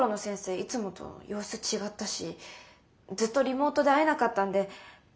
いつもと様子違ったしずっとリモートで会えなかったんで。